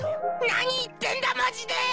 何言ってんだマジで！